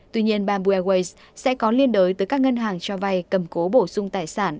tuy nhiên bamboo airways sẽ có liên đới tới các ngân hàng cho vay cầm cố bổ sung tài sản